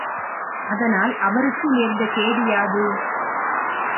அதனால் அவர்க்கு நேர்ந்த கேடு யாது?